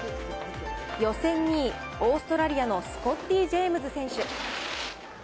予選２位、オーストラリアのスコッティ・ジェームズ選手。